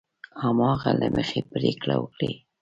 هماغه له مخې پرېکړه وکړي.